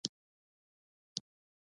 دغه پلورنځی د شپې تر لسو بجو خلاص وي